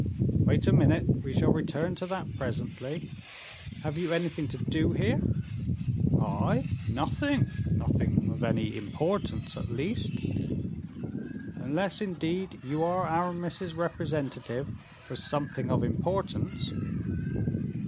"Wait a minute, we shall return to that presently. Have you anything to do here?" "I, nothing: nothing of any importance, at least." "Unless, indeed, you are Aramis's representative for something of importance."